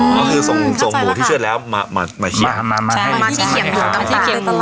หมูอ๋ออ๋อคือส่งส่งหมูที่เชื่อแล้วมามามาเขียนมามาให้ใช่มาที่เขียนหมู